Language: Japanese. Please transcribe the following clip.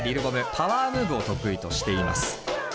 パワームーブを得意としています。